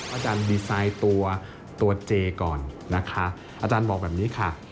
อาจารย์ดีไซน์ตัวเจก่อนนะคะอาจารย์บอกแบบนี้ค่ะ